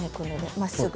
まっすぐ。